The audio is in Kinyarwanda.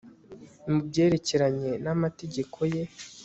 mu byerekeranye namategeko Ye